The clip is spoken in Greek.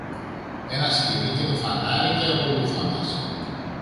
ένα σκοινί και το φανάρι, και ακολούθα μας